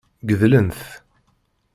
Gedlen-t.